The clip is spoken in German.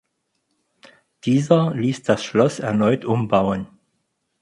Dieser ließ das Schloss erneut umbauen.